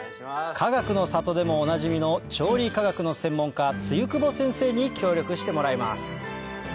かがくの里でもおなじみの調理科学の専門家に協力してもらいます